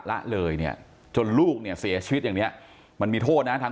ละเลยเนี่ยจนลูกเนี่ยเสียชีวิตอย่างเนี้ยมันมีโทษนะทาง